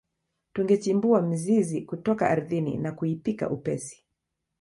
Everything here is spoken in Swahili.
Tungechimbua mizizi kutoka ardhini na kuipika upesi